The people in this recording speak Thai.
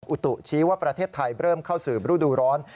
อุตุชี้ว่าประเทศไทยเริ่มเข้าสู่ฤดูร้อน